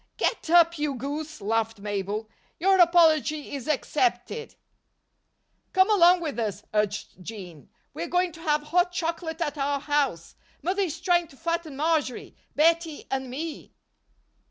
"Get up, you goose," laughed Mabel. "Your apology is accepted." "Come along with us," urged Jean. "We're going to have hot chocolate at our house. Mother is trying to fatten Marjory, Bettie and me."